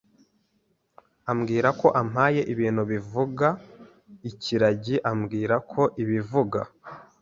ambwira ko ampaye ibintu bivuga ikiragi ambwira ko ibivuga